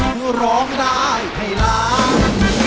คุณร้องได้ไหนล้าง